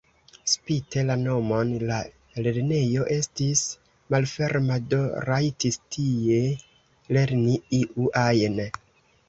Spite la nomon la lernejo estis malferma, do rajtis tie lerni iu ajn.